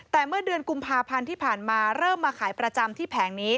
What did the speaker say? แต่เมื่อเดือนกุมภาพันธ์ที่ผ่านมาเริ่มมาขายประจำที่แผงนี้